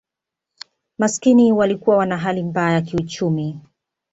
Maskini walikuwa wana hali mabaya kiuchumi